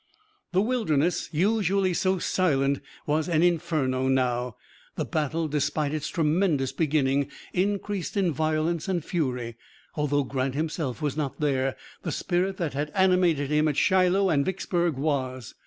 The Wilderness, usually so silent, was an inferno now. The battle, despite its tremendous beginning, increased in violence and fury. Although Grant himself was not there, the spirit that had animated him at Shiloh and Vicksburg was.